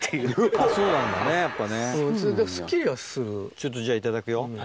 ちょっとじゃあいただくよ。